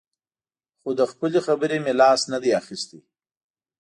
خو له خپلې خبرې مې لاس نه دی اخیستی.